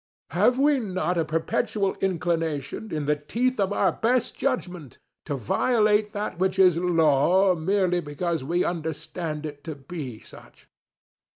Have we not a perpetual inclination, in the teeth of our best judgment, to violate that which is Law, merely because we understand it to be such?